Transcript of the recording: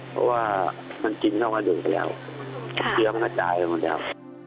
เพราะว่ามันกินเข้ามาดื่มไปแล้วเชื้อมันกระจายไปหมดแล้ว